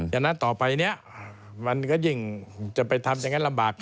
ฉะนั้นต่อไปนี้มันก็ยิ่งจะไปทำอย่างนั้นลำบาก